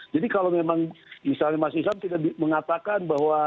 jadi kalau memang misalnya mas isam tidak mengatakan bahwa